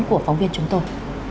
của phóng viên chúng tôi